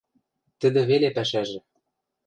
Тӹдӹ веле пӓшӓжӹ.